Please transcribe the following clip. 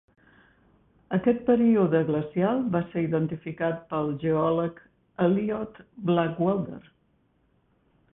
Aquest període glacial va ser identificat pel geòleg Eliot Blackwelder.